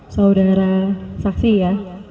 saudara saksi ya